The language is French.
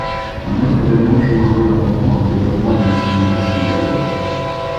Un autre événement joue un rôle important dans le développement du nationalisme gallois.